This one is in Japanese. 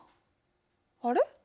あれ？